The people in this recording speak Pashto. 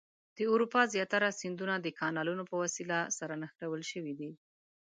د اروپا زیاتره سیندونه د کانالونو په وسیله سره نښلول شوي دي.